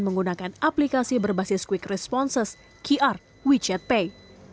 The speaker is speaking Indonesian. menggunakan aplikasi berbasis quick responses qr wechat pay